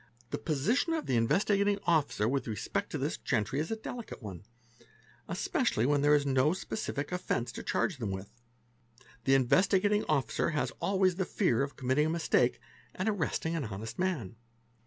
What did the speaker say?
: 5 The position of the Investigating Officer with respect to this gentry is a delicate one, especially when there is no specific offence to charge them with; the Investigating Officer has always the fear of committing a mistake and arresting an honest man.